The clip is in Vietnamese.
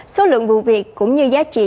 số lượng vụ việc cũng như giá trị